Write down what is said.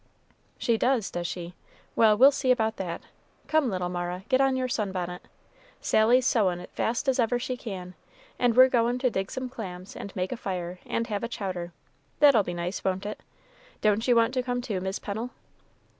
"She does, does she? Well, we'll see about that. Come, little Mara, get on your sun bonnet. Sally's sewin' fast as ever she can, and we're goin' to dig some clams, and make a fire, and have a chowder; that'll be nice, won't it? Don't you want to come, too, Mis' Pennel?"